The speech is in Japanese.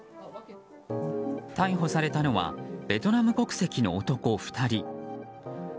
逮捕されたのはベトナム国籍の男２人。